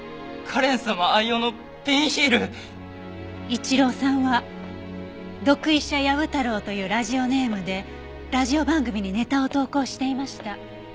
一郎さんは「毒医者ヤブ太郎」というラジオネームでラジオ番組にネタを投稿していました。